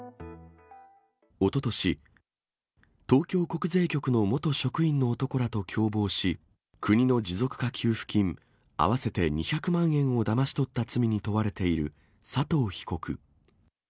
おととし、東京国税局の元職員の男らと共謀し、国の持続化給付金合わせて２００万円をだまし取った罪に問われている佐藤被告。